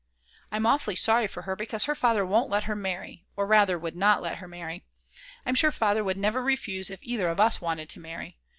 I'm awfully sorry for her because her father won't let her marry, or rather would not let her marry. I'm sure Father would never refuse if either of us wanted to marry.